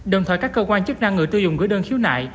đồng thời các cơ quan chức năng người tiêu dùng gửi đơn khiếu nại